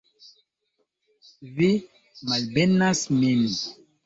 Vi malbenas min?